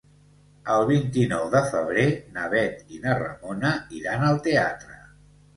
El vint-i-nou de febrer na Bet i na Ramona iran al teatre.